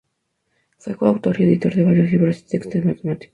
Fue coautor y editor de varios libros de texto de matemáticas.